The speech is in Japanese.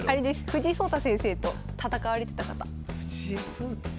藤井聡太先生と戦われてた方？